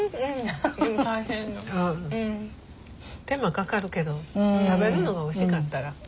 手間かかるけど食べるのがおいしかったら。